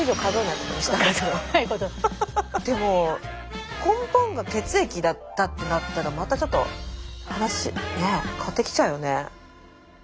でも根本が血液だったってなったらまたちょっと話変わってきちゃうよね。